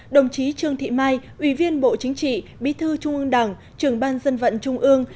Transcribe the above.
đồng chí trương thị mai ủy viên bộ chính trị bí thư trung ương đảng trưởng ban dân vận trung ương